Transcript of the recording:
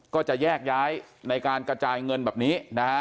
ก็จะแยกย้ายในการกระจายเงินแบบนี้นะฮะ